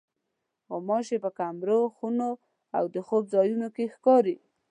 غوماشې په کمرو، خونو او د خوب ځایونو کې ښکاري.